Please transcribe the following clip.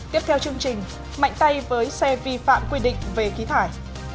tiếp theo chương trình mạnh tay với xe vi phạm quy định về khí thải